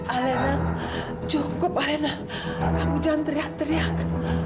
alena cukup alena kamu jangan teriak teriak